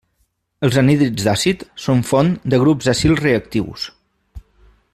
Els anhídrids d'àcid són font de grups acil reactius.